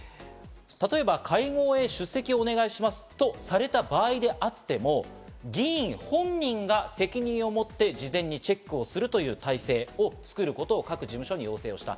例えば、会合へ出席をお願いしますとされた場合であっても、議員本人が責任を持って事前にチェックをするという体制を作ることを各事務所に要請した。